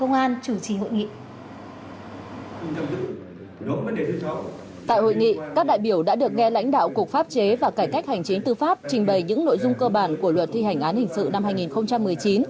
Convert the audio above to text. tại hội nghị các đại biểu đã được nghe lãnh đạo cục pháp chế và cải cách hành chính tư pháp trình bày những nội dung cơ bản của luật thi hành án hình sự năm hai nghìn một mươi chín